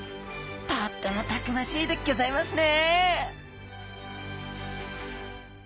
とってもたくましいでギョざいますね！